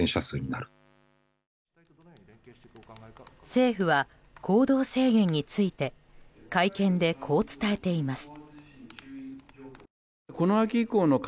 政府は行動制限について会見で、こう伝えています。